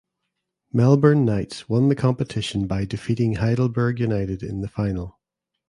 Melbourne Knights won the competition by defeating Heidelberg United in the final.